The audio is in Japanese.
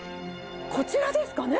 こちらですかね。